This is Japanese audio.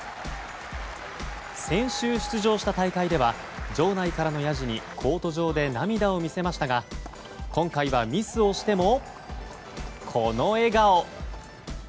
先週出場した大会では場内からのやじにコート上で涙を見せましたが今回はミスをしても、この笑顔。